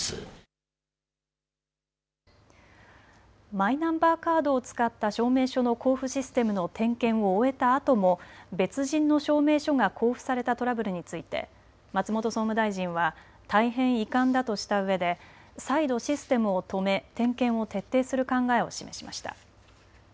マイナンバーカードを使った証明書の交付システムの点検を終えたあとも、別人の証明書が交付されたトラブルについて松本総務大臣は大変遺憾だとしたうえで再度システムを止め点検を徹底する考えを示しました。